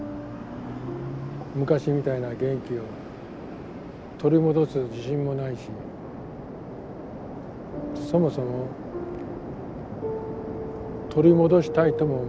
昔みたいな元気を取り戻す自信もないしそもそも取り戻したいとも思わない。